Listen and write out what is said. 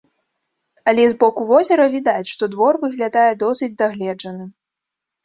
Але з боку возера відаць, што двор выглядае досыць дагледжаным.